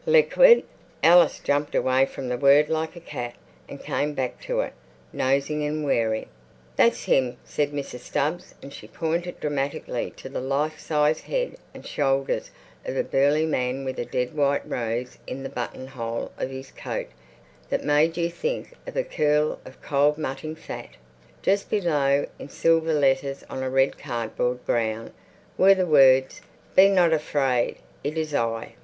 Liquid! Alice jumped away from the word like a cat and came back to it, nosing and wary. "That's 'im!" said Mrs. Stubbs, and she pointed dramatically to the life size head and shoulders of a burly man with a dead white rose in the buttonhole of his coat that made you think of a curl of cold mutting fat. Just below, in silver letters on a red cardboard ground, were the words, "Be not afraid, it is I."